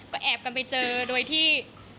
ก็แอบกันไปเจอโดยที่